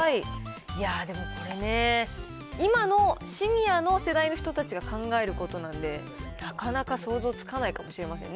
でもこれねぇ、今の、シニアの世代の人たちが考えることなんで、なかなか、想像つかないかもしれませんね。